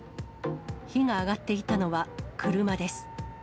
火が上がっていたのは車です。